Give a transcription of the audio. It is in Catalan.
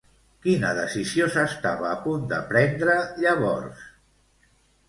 Quina decisió s'estava a punt de prendre llavors?